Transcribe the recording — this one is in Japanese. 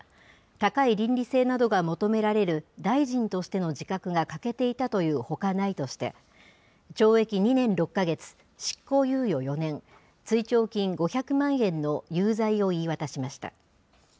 高い倫理性などが求められる大臣としての自覚が欠けていたというほかないとして、懲役２年６か月、執行猶予４年、追徴金５００万円の有罪を言い渡しました。